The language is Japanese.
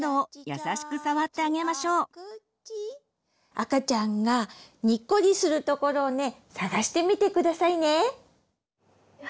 赤ちゃんがにっこりするところをね探してみてくださいね。